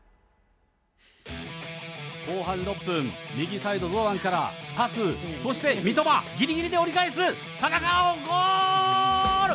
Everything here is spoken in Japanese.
後半６分、右サイド、堂安からパス、そして三笘、ぎりぎりで折り返す、田中碧、ゴール！